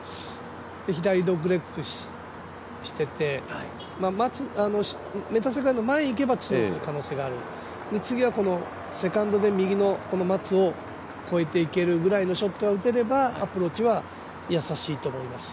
左、ドッグレッグしてて、メタセコイアの前に行けば２オンする可能性がある、次はセカンドでこの松を越えていけるぐらいのショットが打てればアプローチはやさしいと思います。